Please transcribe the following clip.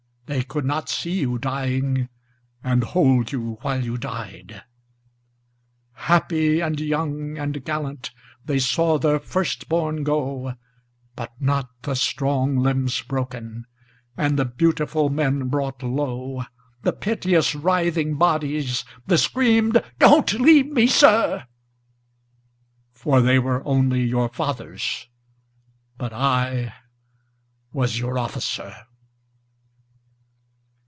They could not see you dying. And hold you while you died. Happy and young and gallant, They saw their first bom go, 41 But not the strong limbs broken And the beautiful men brought low, The piteous writhing bodies, The screamed, " Don't leave me, Sir," For they were only your fathers But I was your officer.